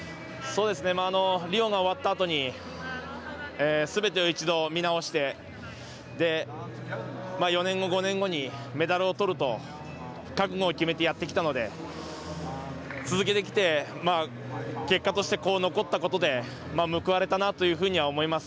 リオが終わったあとにすべてを一度、見直して４年後、５年後にメダルを取ろうと覚悟を決めてやってきたので続けてきて結果としてこう残ったことで報われたなというふうには思います。